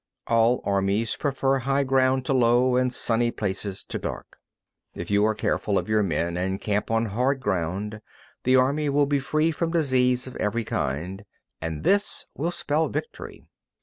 11. All armies prefer high ground to low, and sunny places to dark. 12. If you are careful of your men, and camp on hard ground, the army will be free from disease of every kind, and this will spell victory.